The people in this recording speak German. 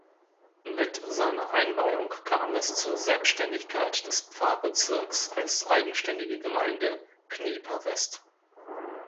Mit seiner Einweihung kam es zur Selbständigkeit des Pfarrbezirks als eigenständige Gemeinde Knieper West.